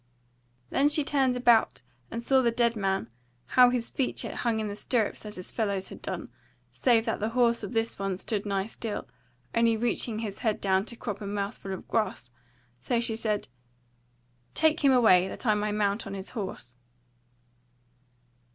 Then she turned about, and saw the dead man, how his feet yet hung in the stirrups as his fellow's had done, save that the horse of this one stood nigh still, only reaching his head down to crop a mouthful of grass; so she said: "Take him away, that I may mount on his horse."